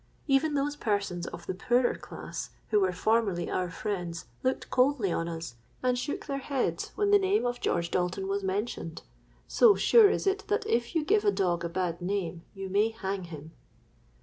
Even those persons of the poorer class, who were formerly our friends, looked coldly on us, and shook their heads when the name of George Dalton was mentioned. So sure is it that if you give a dog a bad name, you may hang him.